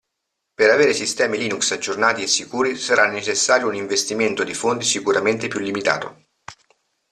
Per avere sistemi Linux aggiornati e sicuri sarà necessario un investimento di fondi sicuramente più limitato.